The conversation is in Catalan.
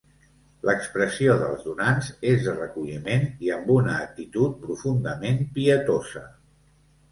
L'expressió dels donants és de recolliment i amb una actitud profundament pietosa.